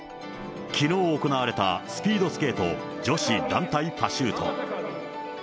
きのう行われたスピードスケート女子団体パシュート。